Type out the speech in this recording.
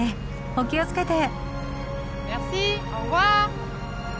お気を付けて。